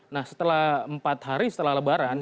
nah setelah empat hari setelah lebaran